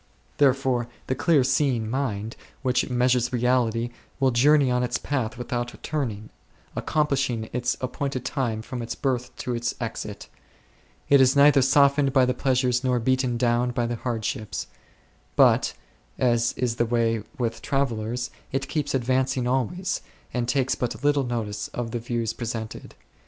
Therefore the clear seeing mind which measures reality will journey on its path without turning, accomplishing its appointed time from its birth to its exit ; it is neither softened by the pleasures nor beaten down by the hardships ; but, as is the way with travellers, it keeps advancing always, and takes but little notice of the views presented.